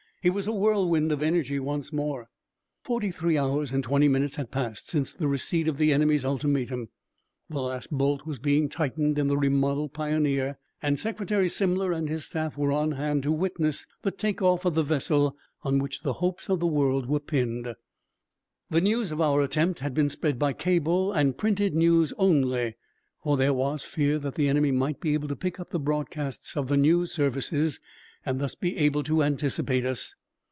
He was a whirlwind of energy once more. Forty three hours and twenty minutes had passed since the receipt of the enemy's ultimatum. The last bolt was being tightened in the remodeled Pioneer, and Secretary Simler and his staff were on hand to witness the take off of the vessel on which the hopes of the world were pinned. The news of our attempt had been spread by cable and printed news only, for there was fear that the enemy might be able to pick up the broadcasts of the news service and thus be able to anticipate us.